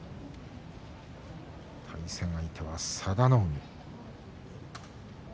対戦相手は佐田の海。